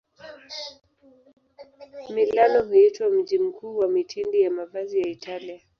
Milano huitwa mji mkuu wa mitindo ya mavazi ya Italia.